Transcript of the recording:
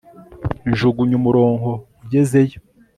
Njugunya umurongo ugezeyo